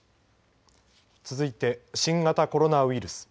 続いて新型コロナウイルス。